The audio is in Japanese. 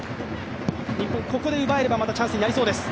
日本、ここで奪えればまたチャンスになりそうです。